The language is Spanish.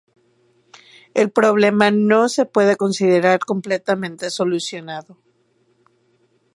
El problema no se puede considerar completamente solucionado.